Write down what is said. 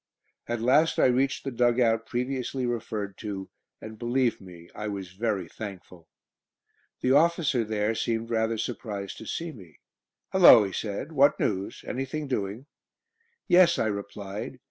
At last I reached the dug out previously referred to, and believe me, I was very thankful. The officer there seemed rather surprised to see me. "Hullo!" he said. "What news? Anything doing?" "Yes," I replied.